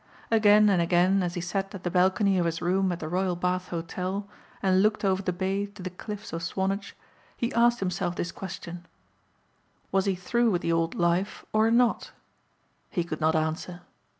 Again and again as he sat at the balcony of his room at the Royal Bath Hotel and looked over the bay to the cliffs of Swanage he asked himself this question was he through with the old life or not? He could not answer.